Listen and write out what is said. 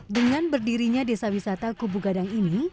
dengan berdirinya desa wisata kubu gadang ini